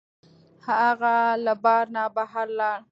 هغه له بار نه بهر لاړ.